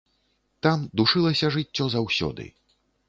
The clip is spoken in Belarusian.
Там душылася жыццё заўсёды.